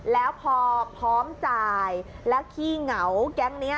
แล้วพอพร้อมจ่ายแล้วขี้เหงาแก๊งนี้